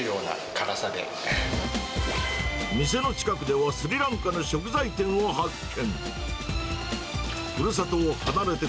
店の近くではスリランカの食材店を発見。